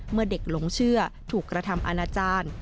เมื่อเด็กหลงเชื่อถูกกระทำอาณาจารย์